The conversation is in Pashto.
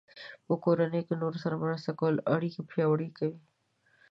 په کورنۍ کې د نورو سره مرسته کول اړیکې پیاوړې کوي.